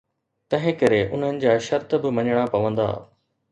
تنهنڪري انهن جا شرط به مڃڻا پوندا.